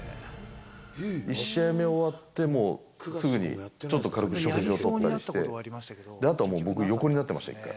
１試合目終わってもう、すぐにちょっと軽く食事をとったりして、あと僕、横になってました、一回。